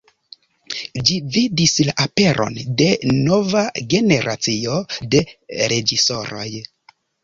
Ĝi vidis la aperon de nova generacio de reĝisoroj.